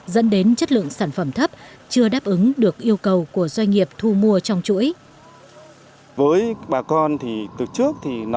dẫn đến chất lượng sản phẩm thấp chưa đáp ứng được yêu cầu của doanh nghiệp thu mua trong chuỗi